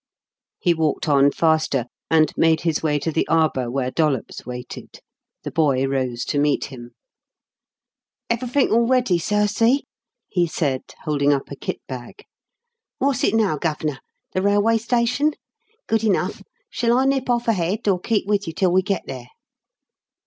He walked on faster, and made his way to the arbour where Dollops waited. The boy rose to meet him. "Everythink all ready, sir see!" he said, holding up a kit bag. "Wot's it now, Gov'nor? the railway station? Good enough. Shall I nip off ahead or keep with you till we get there?"